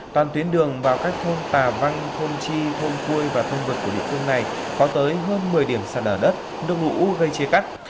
toàn tuyến đường vào các thôn tà văn thôn chi thôn quê và thôn vực của địa phương này có tới hơn một mươi điểm sạt ở đất nước lũ gây chia cắt